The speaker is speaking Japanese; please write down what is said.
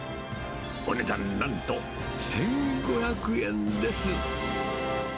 お値段なんと、１５００円です。